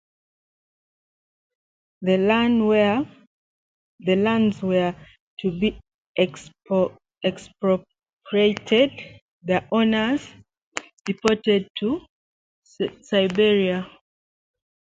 The lands were to be expropriated, the owners deported to Siberia.